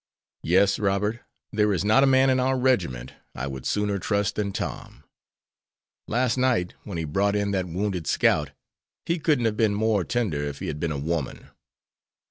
"Yes, Robert, there is not a man in our regiment I would sooner trust than Tom. Last night, when he brought in that wounded scout, he couldn't have been more tender if he had been a woman.